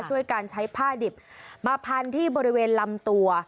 ช่วยการใช้ผ้าดิบมาพันที่บริเวณลำตัว